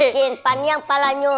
bikin panjang palanya